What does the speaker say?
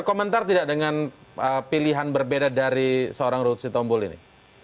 komentar tidak dengan pilihan berbeda dari seorang ruhut sitompul ini